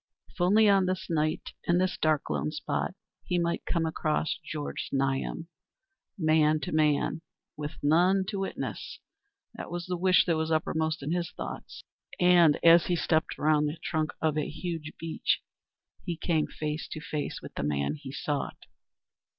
If only on this wild night, in this dark, lone spot, he might come across Georg Znaeym, man to man, with none to witness—that was the wish that was uppermost in his thoughts. And as he stepped round the trunk of a huge beech he came face to face with the man he sought.